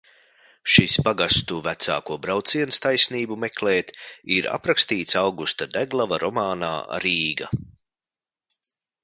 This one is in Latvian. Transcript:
"Šis pagastu vecāko brauciens taisnību meklēt ir aprakstīts Augusta Deglava romānā "Rīga"."